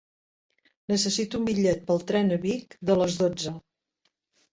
Necessito un bitllet pel tren a Vic de les dotze.